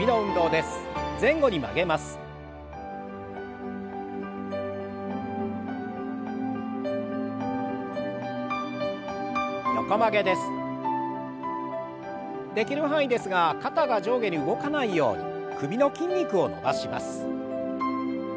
できる範囲ですが肩が上下に動かないように首の筋肉を伸ばします。